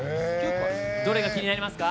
どれが気になりますか？